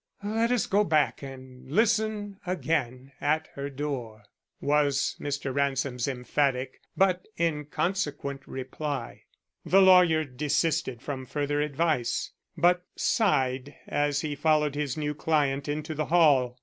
"Let us go back and listen again at her door," was Mr. Ransom's emphatic but inconsequent reply. The lawyer desisted from further advice, but sighed as he followed his new client into the hall.